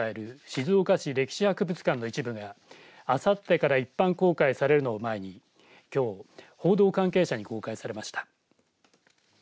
静岡市歴史博物館の一部があさってから一般公開されるのを前にきょう報道関係者に公開されました。